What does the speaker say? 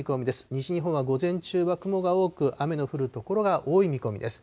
西日本は午前中は雲が多く、雨の降る所が多い見込みです。